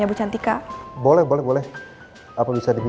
baik kalau gitu